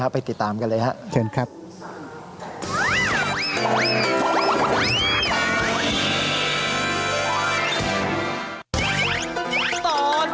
ไปติดตามกันเลยครับเชิญครับครับสวัสดีครับ